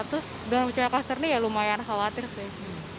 terus dengan munculnya klaster ini ya lumayan khawatir sih